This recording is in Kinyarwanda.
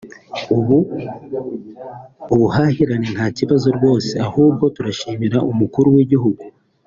ubu ubuhahirane nta kibazo rwose ahubwo turashimira umukuru w’igihugu